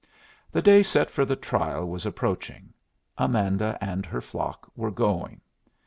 The day set for the trial was approaching; Amanda and her flock were going.